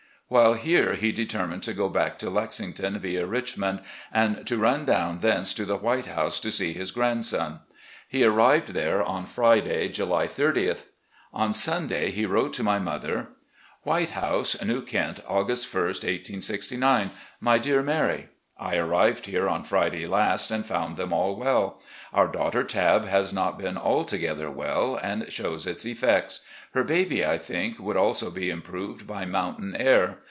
While here he determined to go back to Lexington via Richmond, and to run down thence to the " White House " to see his grandson. He arrived there on Friday, July 30th. On Sunday he wrote to my mother: "White House, New Kent, August i, 1869. "My Dear Mary: I arrived here on Friday last and foimd them all well. Ovir daughter Tabb has not been altogether well, and shows its effects. Her baby, I think, would also be improved by mountain air.